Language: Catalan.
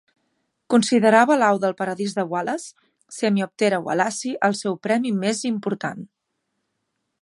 Considerava l'au del paradís de Wallace, "semioptera wallacii", el seu premi més important.